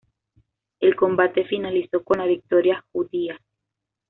El combate finalizó con la victoria judía.